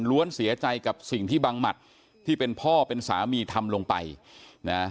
เสียใจกับสิ่งที่บังหมัดที่เป็นพ่อเป็นสามีทำลงไปนะ